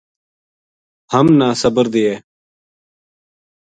ہم نا صبر دیے